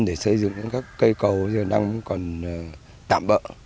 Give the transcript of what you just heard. để xây dựng những cây cầu đang còn tạm bỡ